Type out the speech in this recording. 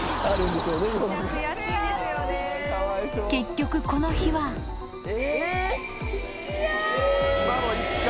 結局この日はいや！